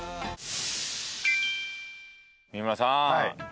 三村さん